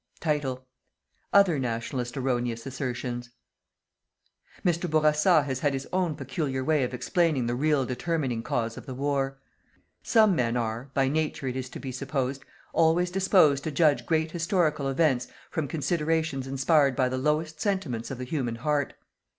OTHER "NATIONALIST" ERRONEOUS ASSERTIONS. Mr. Bourassa has had his own peculiar way of explaining the real determining cause of the war. Some men are by nature it is to be supposed always disposed to judge great historical events from considerations inspired by the lowest sentiments of the human heart.